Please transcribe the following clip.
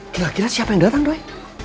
kira kira siapa yang datang doy